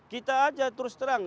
kita aja terus terang